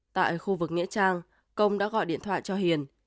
tại khu vực nghĩa trang công đã gọi điện thoại cho hiền